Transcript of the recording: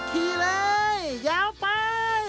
ขี่เลยยาวไป